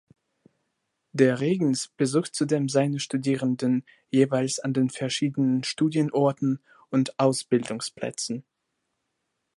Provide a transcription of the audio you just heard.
Der Regens besucht zudem „seine“ Studierenden jeweils an den verschiedenen Studienorten und Ausbildungsplätzen.